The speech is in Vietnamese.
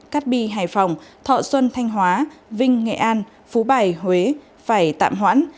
cát bi hải phòng thọ xuân thanh hóa vinh nghệ an phú bài huế phải tạm hoãn